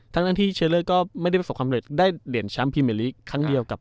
ทั้งที่เชลเลอร์ก็ไม่ได้ประสบความเร็จได้เหรียญแชมป์พรีเมอร์ลีกครั้งเดียวกับ